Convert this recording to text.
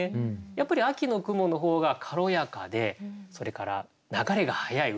やっぱり秋の雲の方が軽やかでそれから流れが速い。